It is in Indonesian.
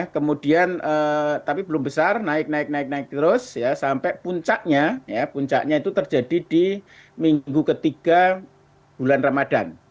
kemudian tapi belum besar naik naik naik naik terus ya sampai puncaknya puncaknya itu terjadi di minggu ketiga bulan ramadan